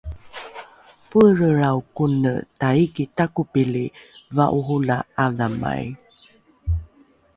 poelrelrao kone taiki takopili va’oro la ’adhamai